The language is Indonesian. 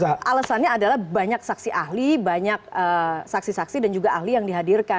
alasannya adalah banyak saksi ahli banyak saksi saksi dan juga ahli yang dihadirkan